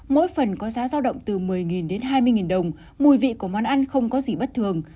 mỗi phần có giá giao động từ một mươi đến hai mươi đồng mùi vị của món ăn không có gì bất thường